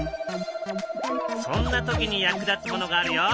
そんな時に役立つものがあるよ。